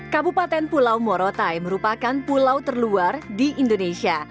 kabupaten pulau morotai merupakan pulau terluar di indonesia